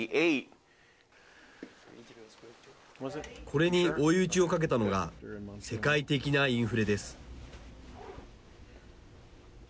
これに追い打ちをかけたのが世界的なインフレです。